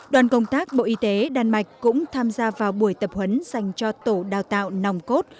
đoàn công tác bộ y tế đan mạch cũng tham gia vào buổi tập huấn dành cho tổ đào tạo nòng cốt